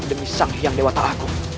demi sang hiang dewataku